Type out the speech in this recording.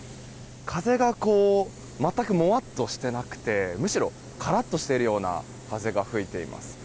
風が全くもわっとしていなくてむしろカラッとしているような風が吹いています。